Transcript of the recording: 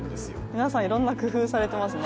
皆さんいろんな工夫をされていますね。